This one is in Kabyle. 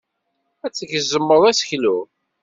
Ad tgezmeḍ aseklu.